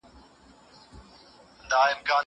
زه بايد سينه سپين وکړم!!